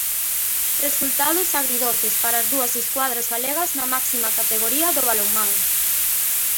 Resultados agridoces para as dúas escuadras galegas na máxima categoría do balonmán.